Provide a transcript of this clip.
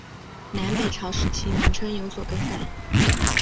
南北朝时期名称有所更改。